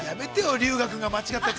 龍我君が間違ったやつ